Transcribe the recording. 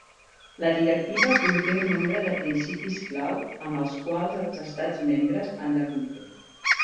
La directiva conté un nombre de principis clau amb els quals els estats membres han de complir.